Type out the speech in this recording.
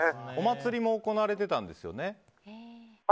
お祭りも行われてたんですよね。